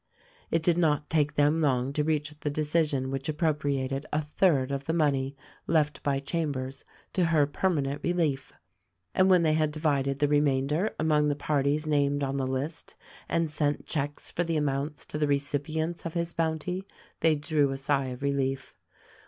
It did not take them long to reach the decision which appropriated a third of the money left by Chambers to her permanent relief, and when they had divided the remainder among the parties named on the list and sent checks for the amounts to the recipients of his bounty they drew a sigh of relief.